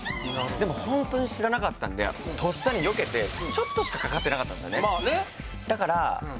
でもホントに知らなかったんでとっさによけてちょっとしかかかってなかったんですよね